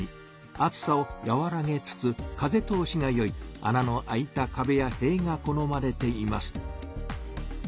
暑さを和らげつつ風通しが良いあなの開いたかべやへいが好まれています。